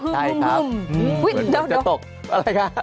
อื้อเดี๋ยวจะตกอะไรคะ